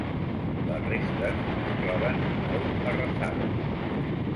Les restes es troben molt arrasades.